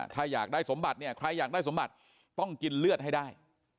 ถ้าอยากได้สมบัติเนี่ยใครอยากได้สมบัติต้องกินเลือดให้ได้